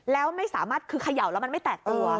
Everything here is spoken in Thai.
แล้วไม่สามารถคือเขย่าแล้วมันไม่แตกตัว